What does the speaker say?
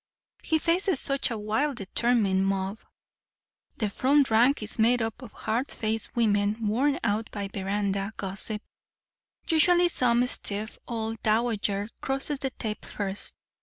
He faces such a wild determined mob. The front rank is made up of hard faced women worn out by veranda gossip. Usually some stiff old dowager crosses the tape first.